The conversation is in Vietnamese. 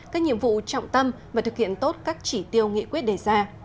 các nhiệm vụ trọng tâm và thực hiện tốt các chỉ tiêu nghị quyết đề ra